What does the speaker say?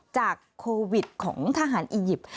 จากโควิดของทหารอียิปต์